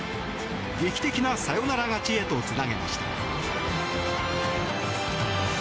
劇的なサヨナラ勝ちへとつなげました。